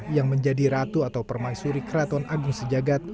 yang menjadi ratu atau permaisuri keraton agung sejagat